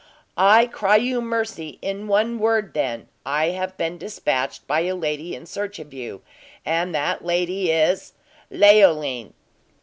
"I cry you mercy! In one word, then, I have been dispatched by a lady in search of you, and that lady is Leoline."